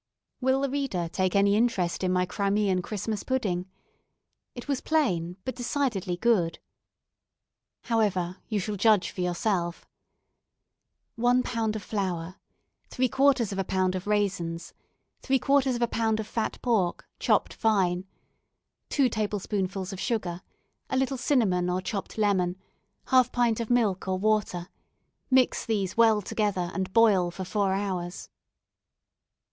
Will the reader take any interest in my Crimean Christmas pudding? It was plain, but decidedly good. However, you shall judge for yourself: "One pound of flour, three quarters of a pound of raisins, three quarters of a pound of fat pork, chopped fine, two tablespoonfuls of sugar, a little cinnamon or chopped lemon, half pint of milk or water; mix these well together, and boil four hours."